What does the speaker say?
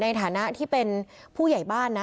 ในฐานะที่เป็นผู้ใหญ่บ้านนะ